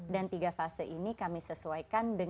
dan tiga fase ini kami sebutkan yang pertama itu adalah